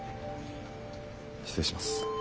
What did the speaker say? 失礼します。